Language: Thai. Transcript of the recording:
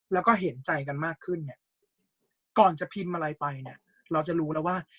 แล้วก็เห็นใจกันมากขึ้นเนี่ยก่อนจะพิมพ์อะไรไปเนี่ยเราจะรู้แล้วว่า